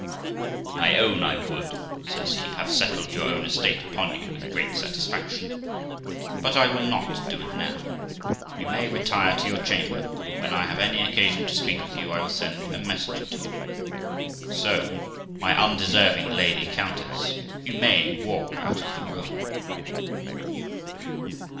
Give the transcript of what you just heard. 'I own I would', says he, 'have settled your own estate upon you with great satisfaction, but I will not do it now ; you may retire to your chamber, and, when I have any occasion to speak with you, I will send a messenger to you ; so, my undeserving lady countess, you may walk out of the room.'